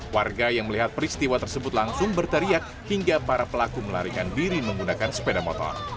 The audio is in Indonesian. warga yang melihat peristiwa tersebut langsung berteriak hingga para pelaku melarikan diri menggunakan sepeda motor